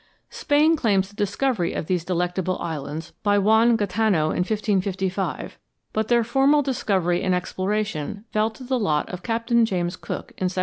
Spain claims the discovery of these delectable isles by Juan Gaetano, in 1555, but their formal discovery and exploration fell to the lot of Captain James Cook, in 1778.